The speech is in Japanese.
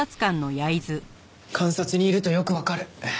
監察にいるとよくわかる。